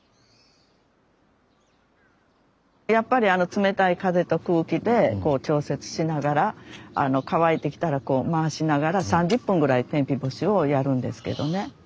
やっぱり冷たい風と空気で調節しながら乾いてきたらこう回しながら３０分ぐらい天日干しをやるんですけどね。